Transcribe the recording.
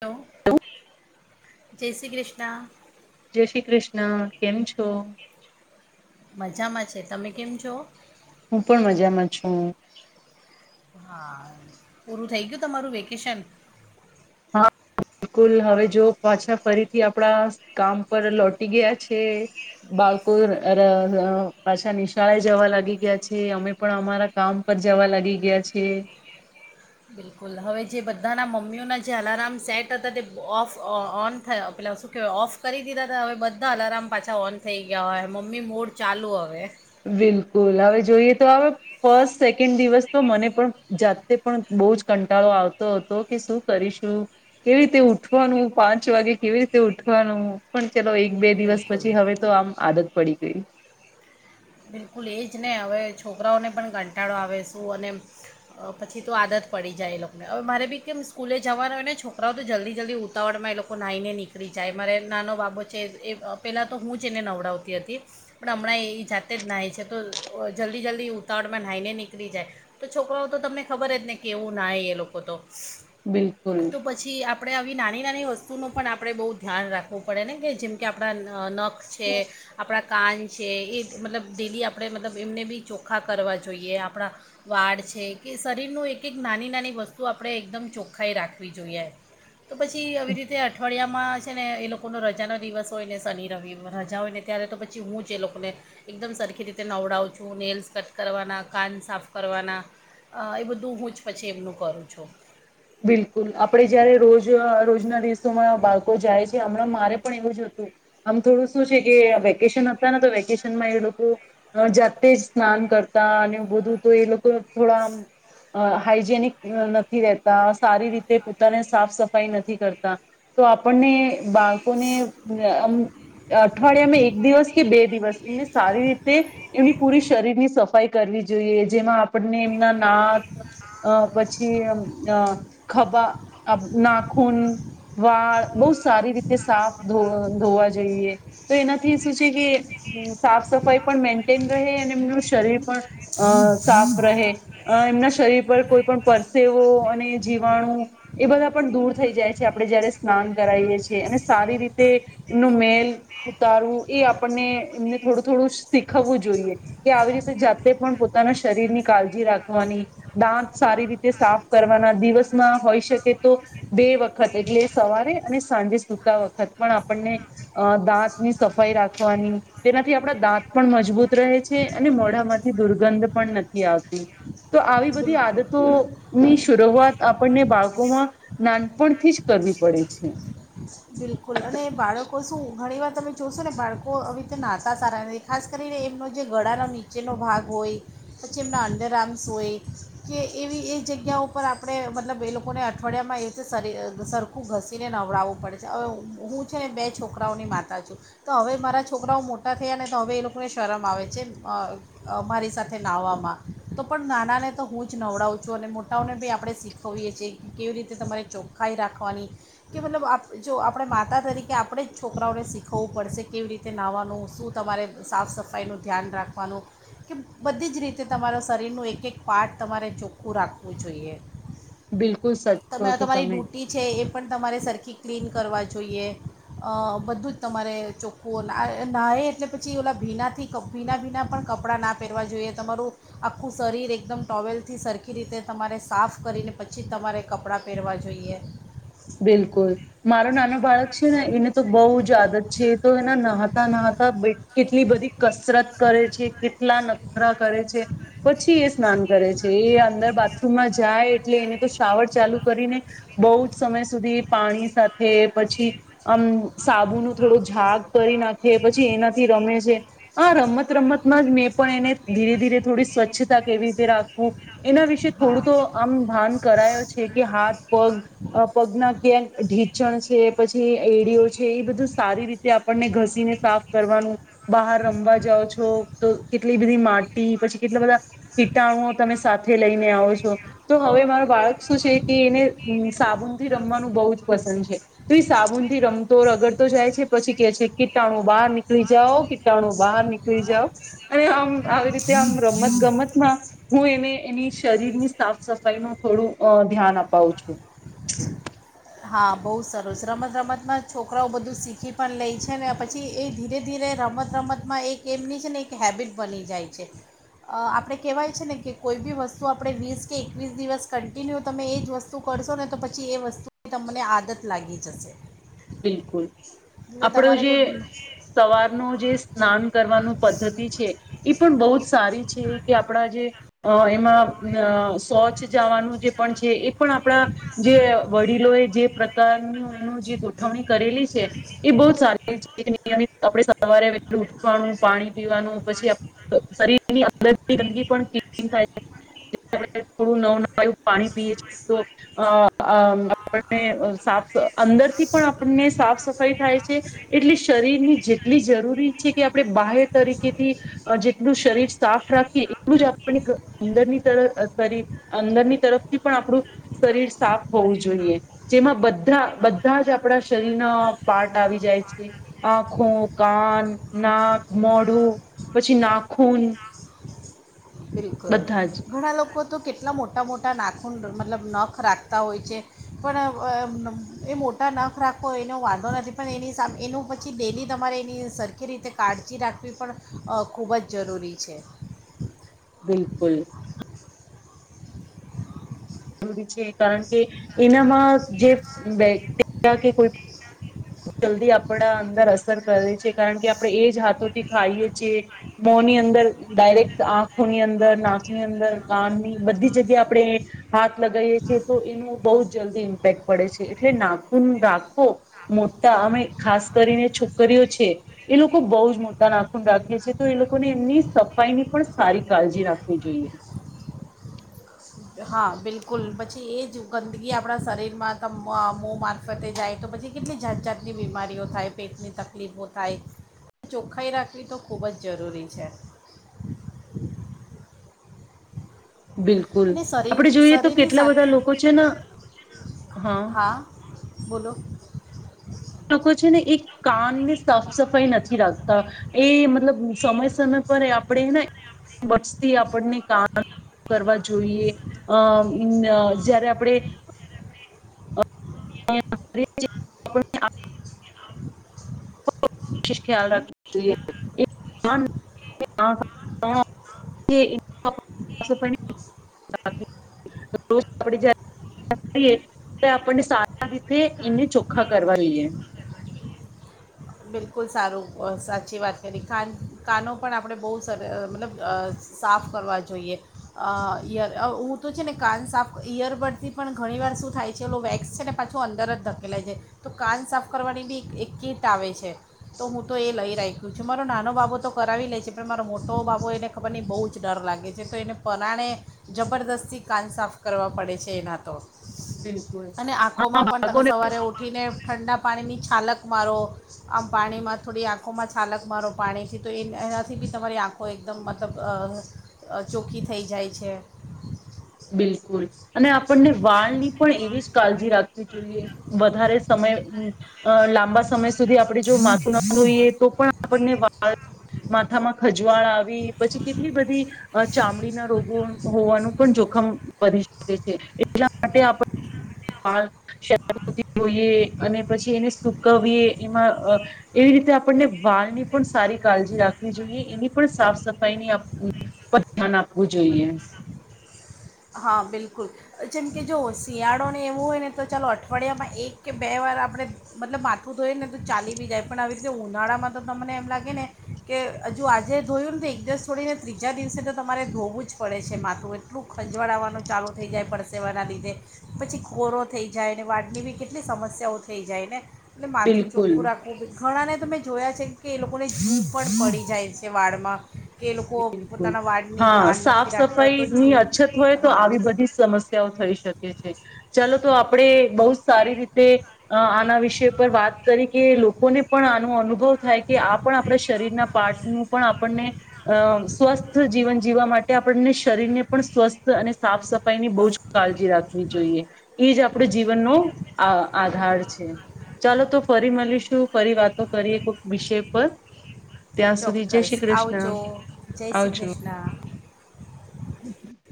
Hello જય શ્રી કૃષ્ણ જય શ્રી કૃષ્ણ કેમ છો? મજામાં છે, તમે કેમ છો? હું પણ મજામાં છું. હા પૂરું થઇ ગયું તમારું વેકેશન? હા બિલકુલ હવે જો પાછા ફરીથી આપણા કામ- ઉપર લોટી ગયા છે બાળ કો ર ર પાછા નિશાળા જવા લાગી ગયા છે અમે પણ અમારા- કામ પર જવા લાગી ગયા છે. બિલકુલ હવે જે બધાના મમ્મીઓના જે અલારામ સેટ હતા તે ઓફ ઓન થયા પેલા શુ. કે ઓફ કરી દીધા હતા હવે બધા અલાર્મ પાછા ઓન થઈ ગયા હોય મમ્મી મોડ ચાલુ હવે. બિલકુલ હવે જોઈએ તો હવે- ફર્સ્ટ સેકન્ડ દિવસ તો મને પણ જાતે પણ બહુ જ કંટાળો આવતો હતો કે શું- કરીશું કેવી રીતે ઉઠવાનું પાંચ વાગે કેવી રીતે ઉઠવાનું પણ ચલો એ બે દિવસ બિલકુલ પછી હવે તો આમ આદત પડી ગઈ. બિલકુલ એ જ ને હવે છોકરાઓને પણ કંટાળો આવે શું અને- અ પછી તો આદત પડી જાય એ લોકોને હવે મારે બી કેમ સ્કૂલે જવાના હોય ને છોકરાઓ તો જલ્દી જલ્દી ઉ ઉતાવળમાં એ લોકો નાહીને નીકળી જાય મારે નાનો બાબો છે એ પહેલાં તો હું જ એને નવડાવતી હતી. પણ હમણાં એ જાતે જ નાહાય છે. તો જલ્દી જલ્દી ઉતાવળમાં નાહઈ ને નીળી જાય- તો છોકરાઓ તો તમને ખબર જ ને કે કેવું નાય એ લોકો તો- બિલકુલ- તો પછી આપણે આવી નાની નાની વસ્તુનું પણ આપણે બહુ ધ્યાન રાખવું પડે ને કે જેમકે આપણા નખ- છે, આપણા કાન છે, એ- મતલબ ડેલી આપણે મતલબ એમને બી ચોખ્ખા કરવા જોઈએ આપણા- વાળ છે, કે શરીરનું એક એક નાની નાની વસ્તુ આપણે એકદમ ચોખ્ખાાઈ રાખવી જોઈએ તો પછી આવી રીતે અઠવાડિયામાં છે ને એ લોકોનો રજાનો દિવસ હોય ને શનિ રવિ રજા હોય ને- ત્યારે તો પછી હું જે એ લોકોને- એકદમ સરખી રીતે નવડાવું છું, નેલ્સ કટ કરવાના, કાન સાફ કરવાના- હ એ બધું હું જ પછી એમનું કરું છું. બિલકુલ આપડે જયારે રોજ રોજના દિવસોમાં બાળકો જાય- છે હમણાં મારે પણ એવું જ હતું આમ થોડું શું છે કે વેકેશન હતા ને તો વેકેશનમાં એ લોકો જાતે જ સ્નાન કરતા અને બધું તો એ લોકો થોડા હાઈજેનિક નથી રહેતા સારી રીતે પોતાને સાફ સફાઈ નથી કરતા- તો આપણને બાળકોનેમ- અઠવાડિયામાં એક દિવસ કે બે દિવસ એમને સારી રીતે- એમની પૂરી શરીર ની સફાઈ કરવી જોઈએ જેમાં આપણને એમના- નાક અ પછી ખભા નાખુન. વાળ બહુ સારી રીતે સાફ ધ ધોવા જોઈએ તો એનાથી શું છે કે સાફ સફાઈ પણ મેન્ટેન રહે અને એમનું શરીર પણ અ સાફ રહે એમના શરીર પર કોઈ પણ પરસેવો અને જીવાણુ એ બધા પણ દૂર થઈ જાય છે આપણે જયારે સ્નાન કરાઈએ છીએ અને સારી રીતે એમનું મેલ ઉતારવું એ આપણને એમને થોડું થોડું શીખવવું જોઈએ કે આવી રીતે જાતે પણ પોતાના શરીરની કાળજી રાખવાની દાંત સારી રીતે સાફ કરવાના દિવસમાં હોય શકે તો બે વખત એટલે સવારે અને સાંજે સુતા વખત પણ આપણને અ દાંતની સફાઈ રાખવાની તેનાથી આપણા દાંત પણ મજબૂત રહે છે અને મોઢામાં દુર્ગંધ પણ નથી આવતી તો આવી બધી આદતો ની શરૂઆત આપણને બાળકોમાં નાનપણથી જ કરવી પડે છે બિલકુલ અને બાળકો શું ઘણી વાર તમે જોશો ને બાળકો આવી રીતે નાતા સારા નથી ખાસ કરીને એમનો જે ગળા જેનો ભાગ હોય પછી એમના અંડર આર્મ્સ હોય કે એવી એ જગ્યા ઉપર આપણે મતલબ એ લોકોને અઠવાડિયામાં એવી રીતે સરખું ઘસીને નવડાવવું પડે છે હવે હું છે ને બે છોકરાઓની માતા છું તો હવે મારા છોકરાઓ મોટા થયા ને તો હવે એ લોકોને શરમ આવે છે મારી સાથે નાહવામાં તો પણ નાનાને તો હું જ નવડાવું છું અને મોટાઓને બી આપણે શીખવીએ છે કેવી રીતે તમારે ચોખ્ખાઈ રાખવાની કે મતલબ આપણે જો આપણે માતા તરીકે આપણે જ છોકરાઓને શીખવવું પડશે કેવી રીતે નાહવાનું શું તમારે સાફ સફાઈનું ધ્યાન રાખવાનું કે બધી જ રીતે તમારા શરીરનું એક એક પાર્ટ તમારે ચોખ્ખું રાખવું જોઈએ બિલકુલ સાચું કહો છો તમારી તમે ડ્યુટી છે એ પણ તમારે સરખી ક્લીન કરવા જોઈએ અ બધું જ તમારે ચોખ્ખું ના એટલે [unintelligible] પછી ઓલા ભીનાથી ભીના ભીના પણ કપડાં ના પહેરવા જોઈએ તમારું આખું શરીર એકદમ ટોવેલથી સરખી રીતે તમારે સાફ કરીને પછી તમારે કપડાં પહેરવા જોઈએ બિલકુલ મારો નાનો બાળક છે ને એને તો બહુ જ આદત છે તો એના નહતા નહતા કેટલી બધી કસરત કરે છે કેટલા નખરા કરે છે પછી એ સ્નાન કરે છે એ અંદર બાથરૂમમાં જાય એટલે એને તો શ્રાવળ ચાલુ કરીને બહુ જ સમય સુધી પાણી સાથે પછી આમ સાબુ નું થોડું જક કરી નાખે પછી એનાથી રમે છે હ રમત રમતમાં જ મેં પણ એને ધીરે ધીરે થોડી સ્વચ્છતા કેવી રીતે રાખવું એના વિશે થોડું તો આમ ભાન કરાયો છે કે હાથ પગ પગના ક્યાંક ઢીચણ છે પછી એડીઓ છે એ બધું સારી રીતે આપણને ઘસીને સાફ કરવાનું બહાર રમવા જાાવ છો તો કેટલી બધી માટી પછી કેટલા બધા કીટાણુ તમે સાથે લઈને આવો છો તો હવે મારો બાળક શું છે કે એને સાબુન થી રમવાનું બહુ જ પસંદ છે તો એ સાબુનથી રમતો રગડતો જાય છે પછી કે છે કીટાણું બહાર નીકળી જઓ તણું બહાર નીકળી જાવ અને આમ આવી રીતે આમ રમત ગમતમાં હું એને એની શરીરની સાફ સફાઈ નું થોડું અ ધ્યાન અપાવું છું [inaudible] હા બહુ સરસ રમત રમત માં છોકરાઓ બધું શીખી પણ લે છે ને પછી પછી એ ધીરે ધીરે રમત રમતમાં એક એમની છે ને એક હેબિટ બની જાય છે. અ આપણે કહેવાય છે ને કે કોઈ બી વસ્તુ આપણે વીસ કે એકવીસ દિવસ કન્ટિન્યુ તમે એજ જ વસ્તુ તું કરશો ને તો પછી એ વસ્તુની તમને આદત લાગી જશે બિલકુલ એટલે આપણો તમારે જે કોઈ સવારનું જે સ્નાન કરવાનું પદ્ધતિ છે એ પણ બહુ જ સારી છે કે આપણા જે અ એમાં શૌચ જવાનું જે પણ છે એ પણ આપણા જે વડીલો એ જે પ્રકારનું એનું જે ઉજવણી કરેલી છે એ બહ જ સારી છે નિયમિત આપ સવારે વેલુ પીવાનું પાણી પીવાનું પછી શરીરની અંદરની ગંદગી પણ કેટલી થાય છે. [inaudible] થોડું નવું [unintelligible] પાણી પીએ છે તો અ આપણને સાફ અંદરથી પણ આપણને સાફ સફાઈ થાય છે. એટલે શરીરની જેટલી જરૂરી છે કે આપણે બાહે તરીકેથી અ જેટલું શરીર સાફ રાખીએ એટલું જ આપને અંદરની તરફ કરી અંદરની તરફથી પણ આપણું શરીર સાફ હોવું જોઈએ જેમાં બધા બધા જ આપણા શરીર ના પાર્ટ આવી જાય છે. આંખો કાન નાક મોઢું પછી નાખુન બિલકુલ જ ઘણા લોકો તો કેટલા મોટા મોટા નાખુન મતલબ નખ રાખતા હોય છે પણ એ મો ટા નખ રાખો એનો વાંધો નથી પણ એની સામે એનું પછી ડેલી તમારે એની સરખી રીતે કાળજી રાખવી પણ અ ખૂબ જ જરૂરી છે. બિલકુલ છે કારણ કે એનામાં જે બેક્ટેરિયા કે કોઈ જલ્દી આપણા અંદર અસર કરે છે કારણ કે આપણે એ જ હાથોથી ખાઈએ છીએ. મોની અંદર ડાયરેક્ટ આંખોની અંદર નાકની અંદર કાનની બધી જગ્યા આપણે હાથ લગાયે છે તો એનું બહુ જલ્દી ઇમ્પેક્ટ પડે છે એટલે નાખુન રાખો મોટા અમે ખાસ કરીને છોકરીઓ છે એ લોકો બહુ જ મોટા નાખુન રાખે છે તો એ લોકોને એમની સફાઈની પણ સારી કાળજી રાખવી જોઈએ. હા બિલકુલ પછી એ જ ગંદકી આપણા શરીર માં [unintelligible] મારફતે જાય તો પછી કેટલી જાત જાાતની બીમારીઓ થાય પેટની તકલીફો થાય. ચોખ્ખાાઈ રાખવી તો ખૂબ જ જરૂરી છે. બિલકુલ અને શરીર આપણે જોઈએ તો શરીરની [unintelligible] કેટલા બધા સાથે લોકો છે ને હા બોલો લોકો છે ને એ કાન ને સાફ સફાઈ નથી રાખતા. એ મતલબ સમય સમય પર આપણેે ને વષતી આપણને કામ કરવા જોઈએ અમ જયારે આપણે [inaudible] [unintelligible] [unintelligible] [unintelligible] રોજ આપણે [unintelligible] આ રીતે એને ચોખ્ખા કરવા લઈએ. બિલકુલ સારું સાચી વાત કરી કાન કાનો પણ આપણે બહુ સર મતલબ સાફ કરવા જોઈએ. અ યર હું તો છે ને કાન સાફ ઈયર પરથી પણ ઘણી વાર શું થાય છે એ વેક્સ છે ને પાછું અંદર જ ધકેલાય છે તો કાન સાફ કરવાની બી એક કીટ આવે છે. તો હું તો એ લઈ રાખ્યો છું મારો નાનો બાબો તો કરાવી લે છે પણ મારો મોટો બાબો એને ખબર ની બહુ જ ડર લાગે છે. [unintelligible] એને પરાણે જબરદસ્તી કાન સાફ કરવા પડે છે એના તો બિલકુલ અને હા આંખોમાં પણ બાળકો તમે સવારે ઉઠીને ઠંડા પાણીની છાલક મારો આમ પાણીમાં થોડી આંખોમાં છાલક મારો પાણીથી તો એ એનાથી બી તમારી આંખો એક [unintelligible] ચોખ્ખી થઈ જાય છે. બિલકુલ અને આપણને વાળની પણ એવી જ કાળજી રાખવી જોઈએ વધારે સમય અ લાંબા સમય સુધી આપણે જો માથું ના ધોઈએ તો પણ આપણને વાળ માથામાં ખજવાળ આવી પછી કેટલી બધી ચામડીના રોગો હોવાનું પણ જો ખમ વધી જાય છે. એટલા માટે આપડે વાળ ધોઇએ અને પછી એને સુકવીએ એમાં એવી રીતે આપણને વાળની પણ સારી કાળજી રાખવી જોઈએ એની પણ સાફ સફાઈની પર આપવું જોઈએ હા બિલકુલ જેમ કે જો શિયાળોને એવું હોય ને તો ચાલો અઠવાડિયામાં એક કે બે વાર આપણે મતલબ માથું ધોય ને તો ચાલી બી જાય પણ આવી રીતે ઉનાળામાં તો તમને એમ લાગે ને કે હજુ આજે ધોયું ને તો દિવસ થોડીને ત્રીજા દિવસે તો તમારે ધોવું જ પડે છે માથું એટલું ખંજવાળ આવવાનું ચાલુ થઈ જાય પરસેવાના લીધે પછી ખોડો થઈ જાય ને વાળની બી કેટલી સમસ્યાઓ થઈ જાય ને એટલે માથું બિલકુલ ચોખ્ખું રાખ ઘણા ને તો મે જોયા છે કે એ લોકોને [unintelligible] પડી જાય છે વાળમાં કે એ લોકો બિલકુલ પોતાના વાળની હા ધ્યાન સાફ નથી રાખતા તો સફાઈની છું અછત હોય તો આવી બધી સમસ્યાઓ થઈ શકે છે. ચલો તો આપડે બહુ સારી રીતે હં આના વિષય પર વાત કરી કે લોકોને પણ આનો અનુભવ થાય કે આ આપણા શરીરના પાર્ટ પણ આપણને સ્વસ્થ જીવન જીવા માટે આપણને શરીર ને પણ સ્વસ્થ અને સાફ સફાઈ ની બહુ જ કાળજી રાખવી જોઈએ એ જ આપ પણ જીવનનો આ આધાર છે. ચાલો તો ફરી મળીશું ફરી વાતો કરીએ કોઈક વિષય પર ત્યાં સુધી જય ચોક્કસ શ્રી કૃષ્ણ. આવજો જય શ્રી આવજો કૃષ્ણ! [inaudible]